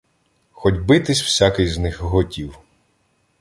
Хоть битись всякий з них готів.